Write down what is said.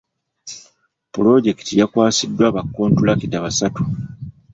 Pulojekiti yakwasiddwa ba kontulakita basatu.